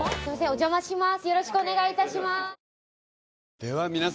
お邪魔します。